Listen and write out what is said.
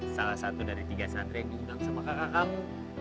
salah satu dari tiga santri yang diundang sama kakak kamu